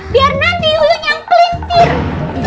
biar nanti huyun yang kelintir